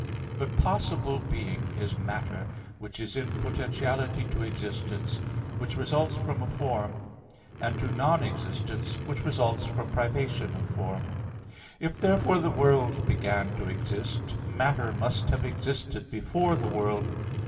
But possible being is matter, which is in potentiality to existence, which results from a form, and to non existence, which results from privation of form. If therefore the world began to exist, matter must have existed before the world.